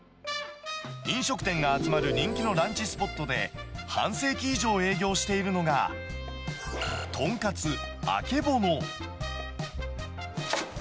飲食店が集まる人気のランチスポットで、半世紀以上営業しているのが、とんかつあけぼの。